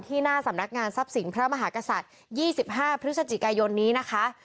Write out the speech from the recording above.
หน้าสำนักงานทรัพย์สินพระมหากษัตริย์๒๕พฤศจิกายนนี้นะคะ